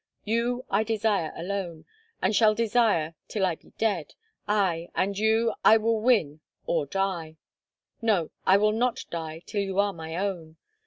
You I desire alone, and shall desire till I be dead, aye, and you I will win or die. No, I will not die till you are my own.